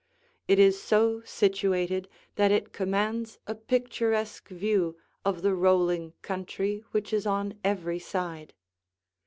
It is so situated that it commands a picturesque view of the rolling country which is on every side.